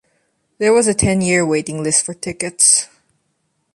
There was a ten-year waiting list for tickets.